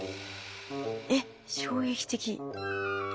えっ衝撃的。